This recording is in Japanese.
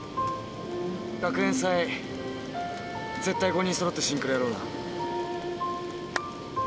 学園祭絶対５人そろってシンクロやろうな。